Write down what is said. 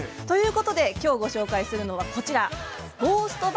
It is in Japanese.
ということで、きょうご紹介するのはこちらです。